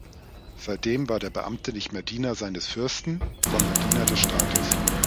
Seitdem war der Beamte nicht mehr Diener seines Fürsten, sondern Diener des Staates.